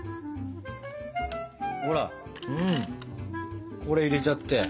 ほらこれ入れちゃって。